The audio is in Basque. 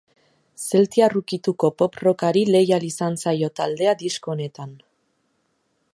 Zeltiar ukituko pop-rockari leial izan zaio taldea disko honetan.